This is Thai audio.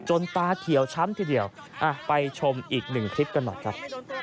ตาเขียวช้ำทีเดียวไปชมอีกหนึ่งคลิปกันหน่อยครับ